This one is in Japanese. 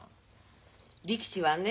力士はね